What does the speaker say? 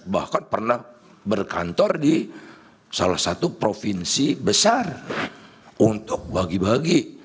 bahkan pernah berkantor di salah satu provinsi besar untuk bagi bagi